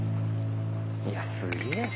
いやすげえな。